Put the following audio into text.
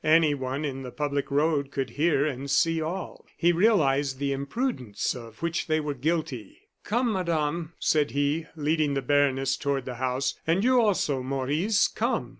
Anyone in the public road could hear and see all. He realized the imprudence of which they were guilty. "Come, Madame," said he, leading the baroness toward the house; "and you, also, Maurice, come!"